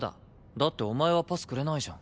だってお前はパスくれないじゃん。